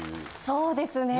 そうですね。